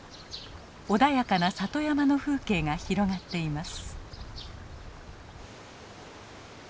穏やかな里山の風景が広がっています。